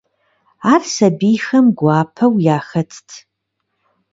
Ар сабийхэм гуапэу яхэтт.